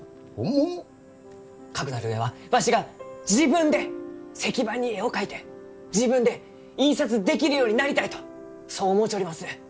かくなる上はわしが自分で石版に絵を描いて自分で印刷できるようになりたいとそう思うちょります。